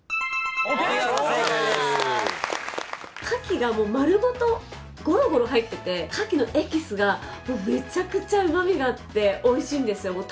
カキが丸ごとゴロゴロ入っててカキのエキスがめちゃくちゃうま味があっておいしいんですよ。